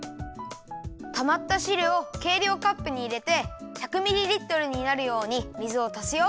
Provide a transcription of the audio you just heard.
たまったしるをけいりょうカップにいれて１００ミリリットルになるように水をたすよ。